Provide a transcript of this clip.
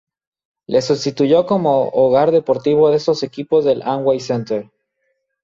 Le sustituyó como hogar deportivo de estos equipos el Amway Center.